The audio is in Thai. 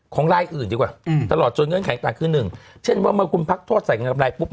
รายอื่นดีกว่าตลอดจนเงื่อนไขต่างคือหนึ่งเช่นว่าเมื่อคุณพักโทษใส่เงินกำไรปุ๊บ